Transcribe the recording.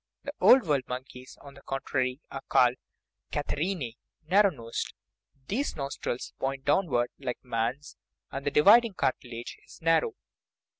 The " Old World " monkeys, on the contrary, are called collectively Catarrhinae (narrow nosed) ; their nostrils point downward, like man's, and the dividing cartilage is narrow.